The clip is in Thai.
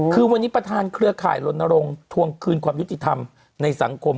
คือวันนี้ประธานเครือข่ายลนรงค์ทวงคืนความยุติธรรมในสังคม